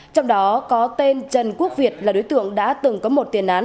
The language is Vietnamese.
trong đó có tên trần quốc việt là đối tượng đã từng có một tiền án